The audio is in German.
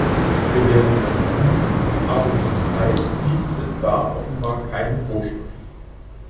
Wir werden das prüfen, aber zur Zeit gibt es da offenbar keine Vorschrift.